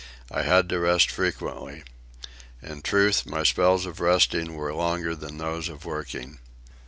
I had to rest frequently. In truth, my spells of resting were longer than those of working.